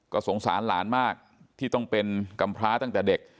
ก็สงสารหลานมากที่ต้องเป็นกำพร้าตั้งแต่เด็ก